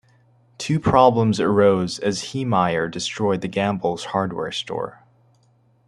Two problems arose as Heemeyer destroyed the Gambles hardware store.